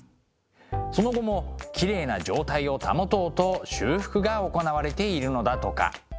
その後もきれいな状態を保とうと修復が行われているのだとか。